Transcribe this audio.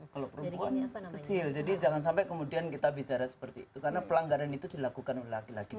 kalau perempuan kecil jadi jangan sampai kemudian kita bicara seperti itu karena pelanggaran itu dilakukan oleh laki laki